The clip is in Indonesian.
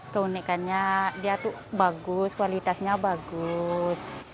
keunikannya dia tuh bagus kualitasnya bagus